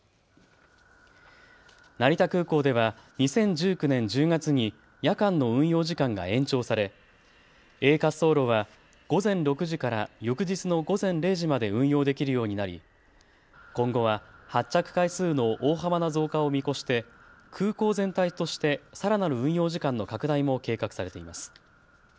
成田空港では２０１９年１０月に夜間の運用時間が延長されＡ滑走路は午前６時から翌日の午前０時まで運用できるようになり今後は発着回数の大幅な増加を見越して空港全体としてさらなる運用時間の拡大も計画されています。